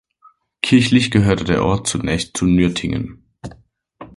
Kirchlich gehörte der Ort zunächst zu Nürtingen.